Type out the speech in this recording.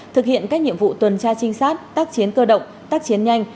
thực hiện các nhiệm vụ tuần tra trinh sát tác chiến cơ động tác chiến nhanh